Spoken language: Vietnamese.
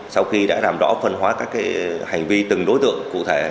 sau khi đã làm rõ phân hóa các hành vi từng đối tượng cụ thể